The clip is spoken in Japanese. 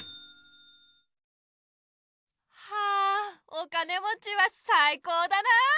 はぁお金もちはさいこうだな！